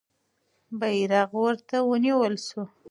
بیرغ ورته ونیول سو.